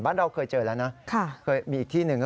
บ้านเราเคยเจอแล้วนะเคยมีอีกที่หนึ่ง